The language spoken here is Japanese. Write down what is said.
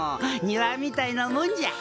庭みたいなもんじゃ。